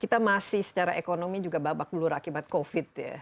kita masih secara ekonomi juga babak bulur akibat covid